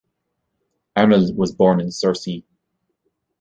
Arnold was born in Sursee.